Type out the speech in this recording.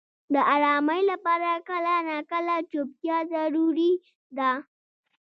• د آرامۍ لپاره کله ناکله چوپتیا ضروري ده.